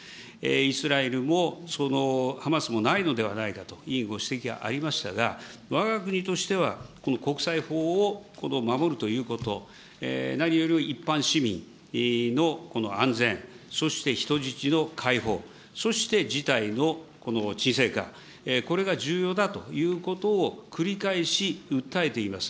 イスラエルもハマスもないのではないかというご指摘がありましたが、わが国としてはこの国際法を守るということ、何よりも一般市民のこの安全、そして人質の解放、そして事態の沈静化、これが重要だということを繰り返し訴えています。